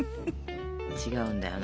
違うんだよな。